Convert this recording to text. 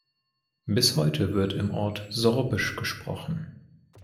Bis heute wird im Ort Sorbisch gesprochen.